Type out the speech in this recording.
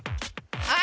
あ！